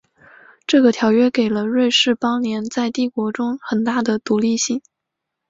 这个条约给了瑞士邦联在帝国中的很大的独立性。